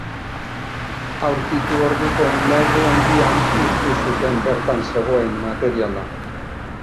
Aurkitu orduko, neurri handian, hustu zuten bertan zegoen materiala.